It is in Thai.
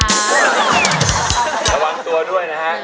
ระวังตัวด้วยนะฮะ